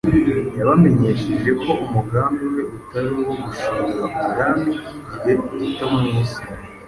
Yabamenyesheje ko umugambi we utari uwo gushinga ubwami bw’igihe gito mu isi.